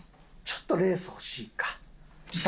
ちょっとレース欲しいか。